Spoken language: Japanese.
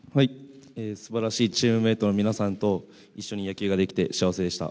すばらしいチームメートの皆さんと一緒に野球ができて幸せでした。